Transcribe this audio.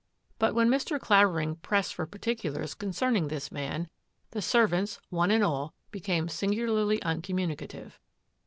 But when Mr. Clavering pressed for particulars concerning this man, the servants, one and all, became singularly uncommunicative.